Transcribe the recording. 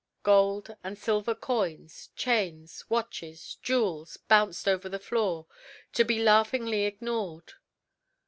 Gold and silver coins, chains, watches, jewels, bounced over the floor, to be laughingly ignored.